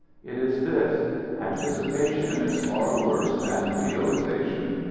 It is this — anticipation is far worse than realiza tion.